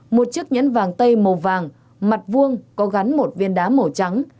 một chiếc nhẫn vàng tây màu vàng mặt vuông có gắn một viên đá màu trắng